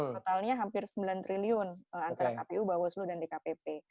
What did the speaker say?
totalnya hampir sembilan triliun antara kpu bawaslu dan dkpp